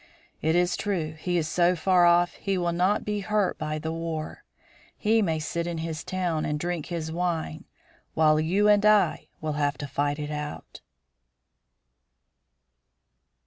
It is true, he is so far off he will not be hurt by the war; he may sit in his town and drink his wine, while you and I will have to fight it out."